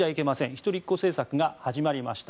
一人っ子政策が始まりました。